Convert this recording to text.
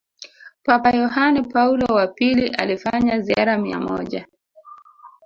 Papa Yohane Paulo wa pili alifanya ziara mia moja